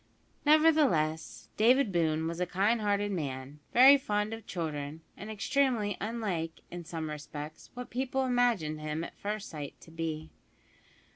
Nevertheless, David Boone was a kind hearted man, very fond of children, and extremely unlike, in some respects, what people imagined him at first sight to be.